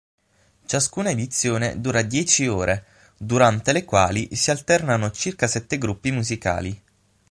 Ciascuna edizione dura dieci ore, durante le quali si alternano circa sette gruppi musicali.